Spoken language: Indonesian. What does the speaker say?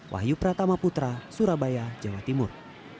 wahyu pratama putra surabaya jawa timur